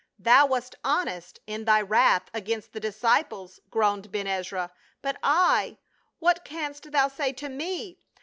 " Thou wast honest in thy wrath against the disci ples," groaned Ben Ezra, "but I — what canst thou say to me